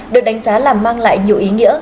được đánh giá là mang lại nhiều ý nghĩa